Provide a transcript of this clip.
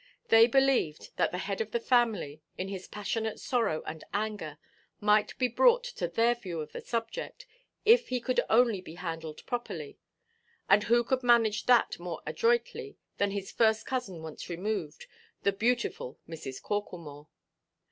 They believed that the head of that family, in his passionate sorrow and anger, might be brought to their view of the subject, if he could only be handled properly; and who could manage that more adroitly than his first cousin once removed, the beautiful Mrs. Corklemore?